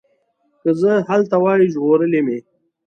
که زه هلته وای ژغورلي مي